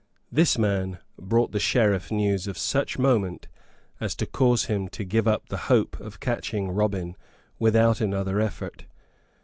This man brought the Sheriff news of such moment as to cause him to give up the hope of catching Robin without another effort.